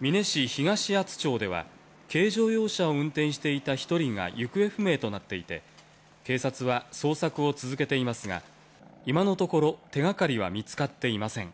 美祢市東厚保町では、軽乗用車を運転していた１人が行方不明となっていて、警察は捜索を続けていますが、今のところ手がかりは見つかっていません。